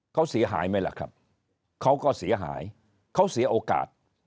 เขาเสียหายไหมล่ะครับเขาก็เสียหายเขาเสียโอกาส